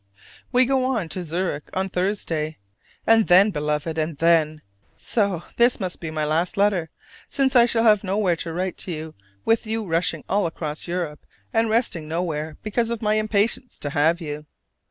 We go on to Zurich on Thursday, and then, Beloved, and then! so this must be my last letter, since I shall have nowhere to write to with you rushing all across Europe and resting nowhere because of my impatience to have you.